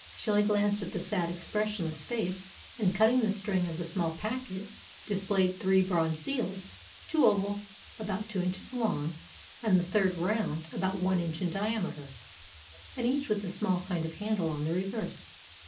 She only glanced at the sad, expressionless face, and, cutting the string of the small packet, displayed three bronze seals two oval, about two inches long, and the third round, about one inch in diameter, and each with a small kind of handle on the reverse.